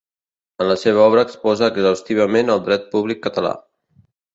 En la seva obra exposa exhaustivament el dret públic català.